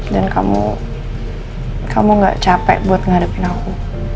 dan kamu gak capek buat ngadepin aku